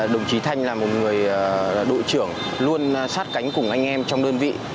đồng chí thanh là một người đội trưởng luôn sát cánh cùng anh em trong đơn vị